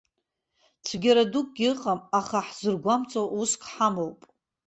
Цәгьара дукгьы ыҟам, аха ҳзыргәамҵуа уск ҳамоуп.